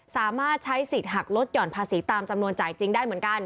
สามารถใช้สิทธิ์หักลดหย่อนภาษีตามจำนวนจ่ายจริงได้เหมือนกัน